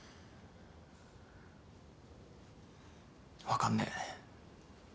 分かんねえ。